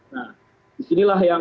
nah disinilah yang